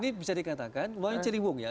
ini bisa dikatakan semuanya ciri wong ya